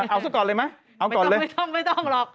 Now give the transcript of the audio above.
อ๋อเอาครั้งก่อนเลยไหมบรมบาร์นไม่ต้องหรอก